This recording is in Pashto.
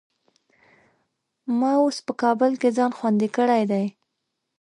ما اوس په کابل کې ځان خوندي کړی دی.